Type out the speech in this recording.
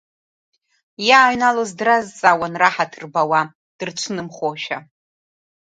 Иааҩналоз дразҵаауан раҳаҭыр бауа, дрыцәнымхошәа.